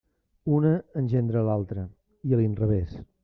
Una engendra l'altra, i a l'inrevés.